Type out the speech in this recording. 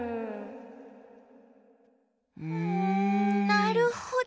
なるほど。